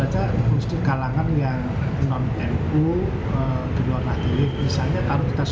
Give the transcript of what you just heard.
yang terakhir saja itu sih kalangan yang